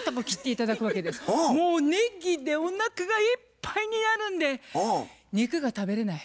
もうねぎでおなかがいっぱいになるんで肉が食べれない。